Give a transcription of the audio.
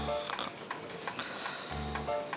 tapi menurut gue